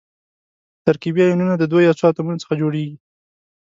ترکیبي ایونونه د دوو یا څو اتومونو څخه جوړیږي.